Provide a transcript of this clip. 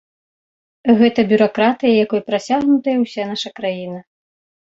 Гэта бюракратыя, якой прасякнутая ўся наша краіна.